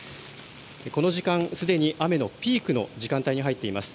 この時間、すでに雨のピークの時間帯に入っています。